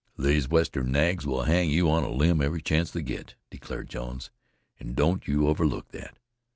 "These Western nags will hang you on a line every chance they get," declared Jones, "and don't you overlook that.